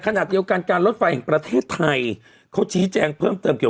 เขาบอกวัยังสอเสือมันสูง๓เมตรไง